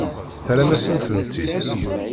Terram-asen-tent-id.